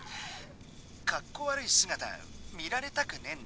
カッコ悪い姿見られたくねえんだ。